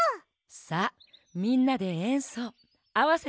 さあみんなでえんそうあわせてみようか？